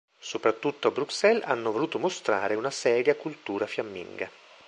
Soprattutto a Bruxelles hanno voluto mostrare una "seria" cultura fiamminga.